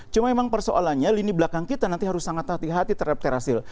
cuma memang persoalannya lini belakang kita nanti harus sangat hati hati terhadap terasil